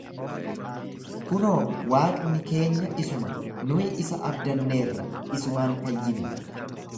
Kunoo, Waaqni keenya isuma, nuyi isa abdanneerra, isumaan fayyine.